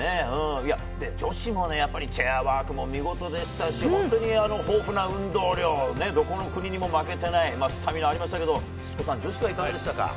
女子もチェアワークも見事でしたし、豊富な運動量、どこの国にも負けていないスタミナがありましたけれども、女子はいかがでしたか？